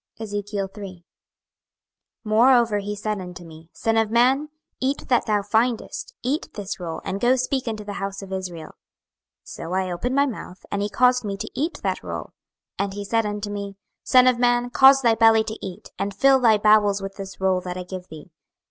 26:003:001 Moreover he said unto me, Son of man, eat that thou findest; eat this roll, and go speak unto the house of Israel. 26:003:002 So I opened my mouth, and he caused me to eat that roll. 26:003:003 And he said unto me, Son of man, cause thy belly to eat, and fill thy bowels with this roll that I give thee.